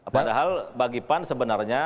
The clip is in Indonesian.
padahal bagi pan sebenarnya